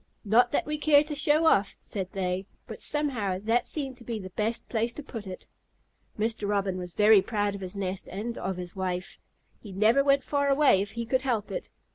"Not that we care to show off," said they, "but somehow that seemed to be the best place to put it." Mr. Robin was very proud of his nest and of his wife. He never went far away if he could help it.